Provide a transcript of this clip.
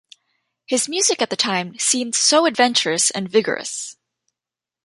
His music at the time seemed so adventurous and vigorous.